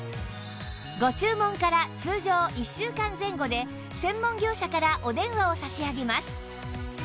ご注文から通常１週間前後で専門業者からお電話を差し上げます